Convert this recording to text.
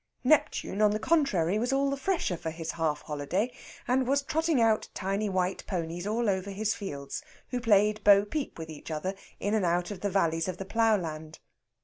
Neptune on the contrary was all the fresher for his half holiday, and was trotting out tiny white ponies all over his fields, who played bo peep with each other in and out of the valleys of the plough land.